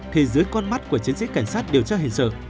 thì dưới con mắt của chiến sĩ cảnh sát điều tra hình sự